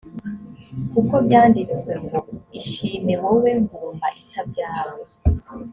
kuko byanditswe ngo ishime wowe ngumba itabyara